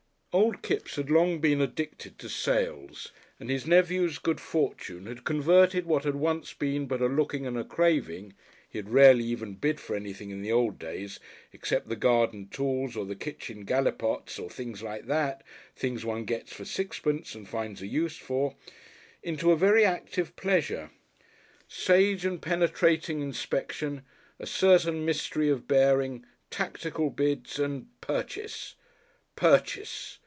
Old Kipps had long been addicted to sales, and his nephew's good fortune had converted what had once been but a looking and a craving he had rarely even bid for anything in the old days except the garden tools or the kitchen gallipots or things like that, things one gets for sixpence and finds a use for into a very active pleasure. Sage and penetrating inspection, a certain mystery of bearing, tactical bids and Purchase! Purchase!